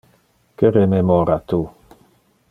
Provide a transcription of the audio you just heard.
Que rememora tu?